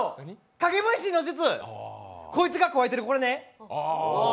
影分身の術、こいつがくわえてる、これね。